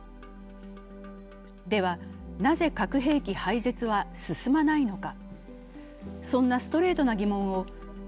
では、なぜ核兵器廃絶は進まないのか。